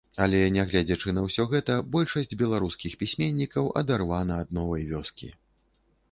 Але, нягледзячы на ўсё гэта, большасць беларускіх пісьменнікаў адарвана ад новай вёскі.